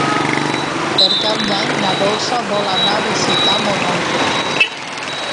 Per Cap d'Any na Dolça vol anar a visitar mon oncle.